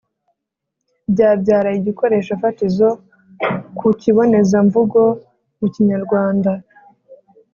byabyara igikoresho fatizo ku kibonezamvugo mu Kinyarwanda.